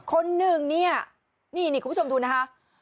คนหนึ่งเนี่ยนี่คุณผู้ชมดูนะคะ